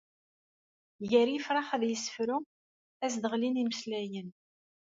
Gar yifrax ad yessefru, ad s-d-ɣlin imeslayen.